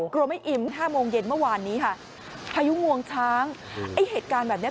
กลัวไม่อิ่มห้าโมงเย็นเมื่อวานนี้ค่ะพายุงวงช้างไอ้เหตุการณ์แบบเนี้ย